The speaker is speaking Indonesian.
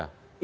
ini ada orang